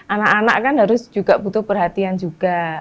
anak anak kan harus juga butuh perhatian juga